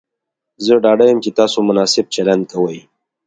زه ډاډه یم چې تاسو مناسب چلند کوئ.